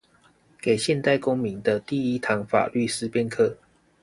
給現代公民的第一堂法律思辨課